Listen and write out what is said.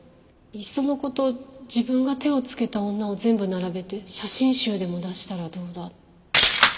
いっその事自分が手をつけた女を全部並べて写真集でも出したらどうだ？